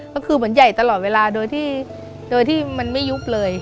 ก็คือเหมือนใหญ่ตลอดเวลาโดยที่มันไม่ยุบเลย